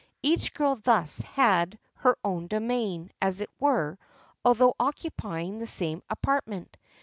Each girl thus had her own domain, as it were, although occupying the same apartment.